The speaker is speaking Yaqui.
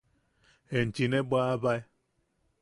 –Enchi ne bwaʼabae.